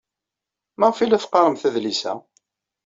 Maɣef ay la teqqaremt adlis-a?